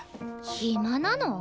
暇なの？